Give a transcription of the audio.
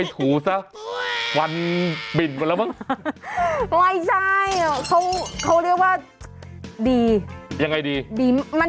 ใช้เมียได้ตลอด